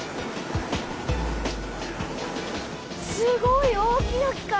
すごい大きな機械。